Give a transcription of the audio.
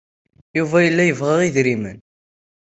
Yuba yella yebɣa idrimen.